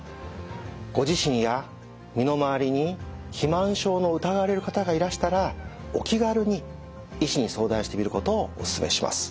ご自身や身のまわりに肥満症の疑われる方がいらしたらお気軽に医師に相談してみることをおすすめします。